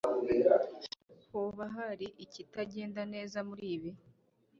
hoba hari ikitagenda neza muribi